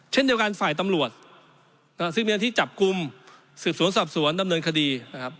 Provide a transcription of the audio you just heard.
เช่นเดียวกันฝ่ายตำรวจซึ่งมีหน้าที่จับกลุ่มสืบสวนสอบสวนดำเนินคดีนะครับ